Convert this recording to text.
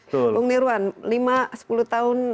bung nirwan lima sepuluh tahun